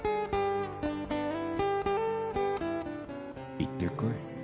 「行ってこい」